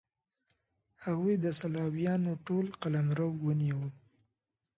هغوی د سلاویانو ټول قلمرو ونیو.